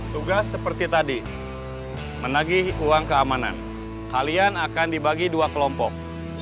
tugas seperti tadi menagih uang keamanan halian akan dibagi dua kelompok